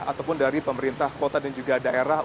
ataupun dari pemerintah kota dan juga daerah